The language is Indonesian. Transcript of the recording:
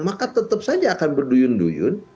maka tetap saja akan berduyun duyun